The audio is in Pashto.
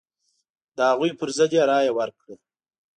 د هغوی پر ضد یې رايه ورکړه.